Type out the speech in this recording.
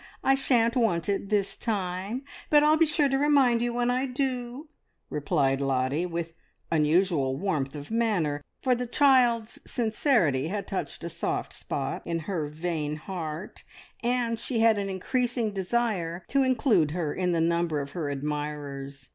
I shan't want it this time, but I'll be sure to remind you when I do," replied Lottie, with unusual warmth of manner, for the child's sincerity had touched a soft spot in her vain heart, and she had an increasing desire to include her in the number of her admirers.